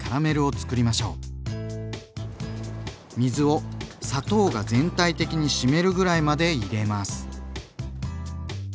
水を砂糖が全体的に湿るぐらいまで入れます。